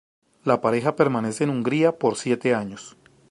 La pareja permanece en Hungría por siete años.